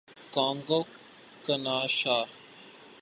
Congo - کنشاسا